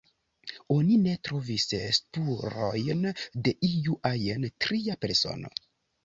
Oni ne trovis spurojn de iu ajn tria persono.